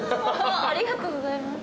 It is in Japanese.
ありがとうございます。